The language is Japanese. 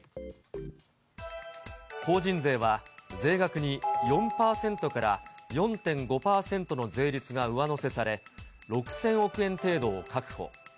法人税は税額に４％から４．５％の税率が上乗せされ、６０００億円程度を確保。